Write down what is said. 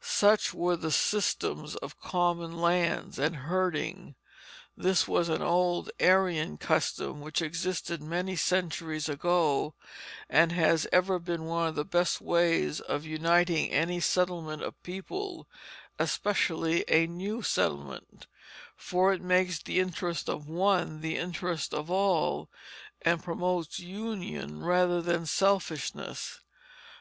Such were the systems of common lands and herding. This was an old Aryan custom which existed many centuries ago, and has ever been one of the best ways of uniting any settlement of people, especially a new settlement; for it makes the interest of one the interest of all, and promotes union rather than selfishness.